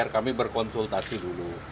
kami berkonsultasi dulu